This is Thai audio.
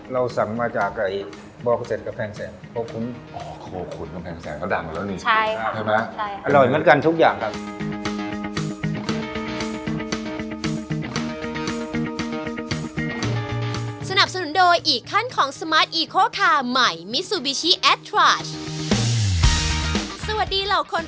เราสั่งมาจากไก่บอลคอร์เซ็นต์กะแฟงแสงโคคุ้น